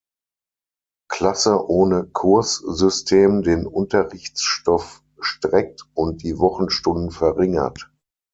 Klasse ohne Kurssystem den Unterrichtsstoff streckt und die Wochenstunden verringert.